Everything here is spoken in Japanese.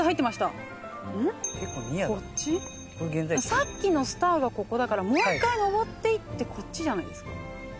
さっきのスターがここだからもう一回のぼっていってこっちじゃないですか？